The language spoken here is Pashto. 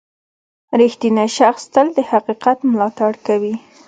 • رښتینی شخص تل د حقیقت ملاتړ کوي.